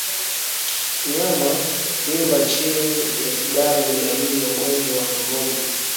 Mnyama kuvimba chini ya kidari ni dalili ya ugonjwa wa ndorobo